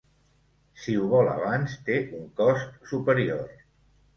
Si ho vol abans, té un cost superior.